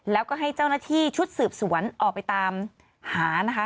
แล้วก็ให้เจ้าหน้าที่ชุดสืบสวนออกไปตามหานะคะ